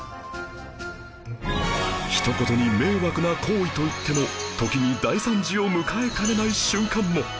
一言に迷惑な行為と言っても時に大惨事を迎えかねない瞬間も